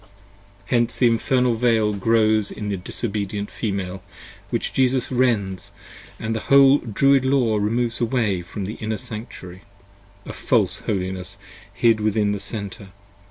Hence the Infernal Veil grows in the disobedient Female, Which Jesus rends & the whole Druid Law removes away 40 From the Inner Sanctuary: a False Holiness hid within the Center.